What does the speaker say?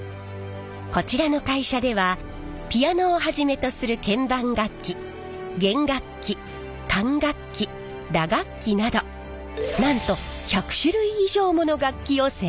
こちらの会社ではピアノをはじめとする鍵盤楽器弦楽器管楽器打楽器などなんと１００種類以上もの楽器を製造。